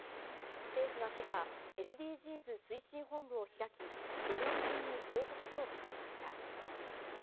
政府はけさ、ＳＤＧｓ推進本部を開き、４年ぶりに報告書をまとめました。